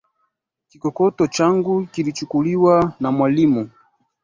Kikokotoo changu kilichukuliwa na mwalimu.